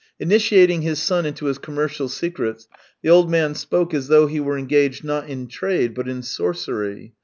Initiating his son into his commercial secrets, 3o8 THE TALES OF TCHEHOV the old man spoke as though he were engaged, not in trade, but in sorcery.